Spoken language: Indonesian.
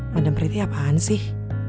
madame priti apaan sih